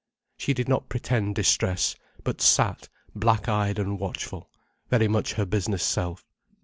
She did not pretend distress, but sat black eyed and watchful, very much her business self.